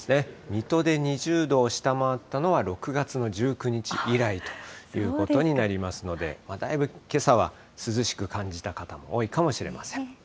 水戸で２０度を下回ったのは６月の１９日以来ということになりますので、だいぶけさは涼しく感じた方も多いかもしれません。